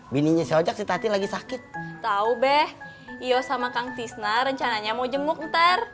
bininya sejak si tadi lagi sakit tahu beh iyo sama kang cisner rencananya mau jenguk ntar